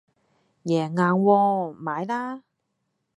贏硬喎！買啦